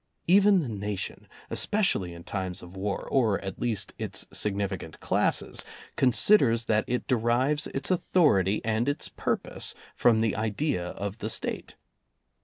Even the nation, especially in times of war — or at least, its significant classes — considers that it derives its authority, and its pur pose from the idea of the State.